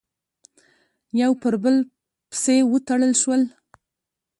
یو پر بل پسې وتړل شول،